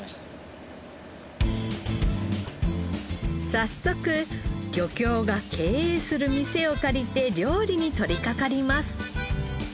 早速漁協が経営する店を借りて料理に取り掛かります。